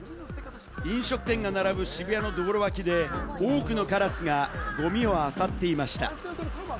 飲食店が並ぶ渋谷の道路脇で、多くのカラスがゴミを漁っていました。